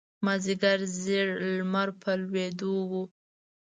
مازیګر زیړی لمر په لویېدو و.